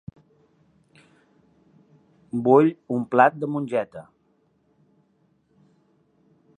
Vull un plat de mongeta.